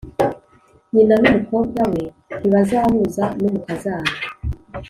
nyina n umukobwa we ntibazahuza n Umukazana